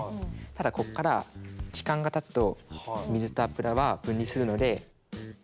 ただここから時間がたつと水と油は分離するので。